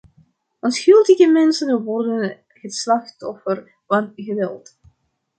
Onschuldige mensen worden het slachtoffer van geweld.